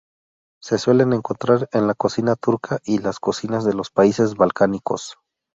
Se suele encontrar en la cocina turca y las cocinas de los países balcánicos.